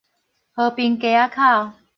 和平街仔口